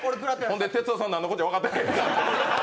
哲夫さん、何のこっちゃ分かってない。